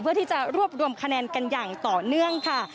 เพื่อที่จะรวบรวมคะแนนกันอย่างต่อเนื่องค่ะ